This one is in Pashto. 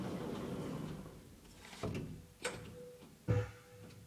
د خدمت دورې پرمختګ او ارتقا پکې شامله ده.